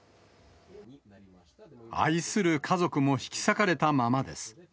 愛する家族も引き裂かれたままです。